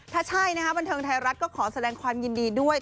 ถ้าใช่นะคะบันเทิงไทยรัฐก็ขอแสดงความยินดีด้วย